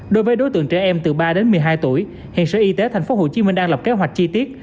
đối với đối tượng trẻ em từ ba đến một mươi hai tuổi hiện sở y tế thành phố hồ chí minh đang lập kế hoạch chi tiết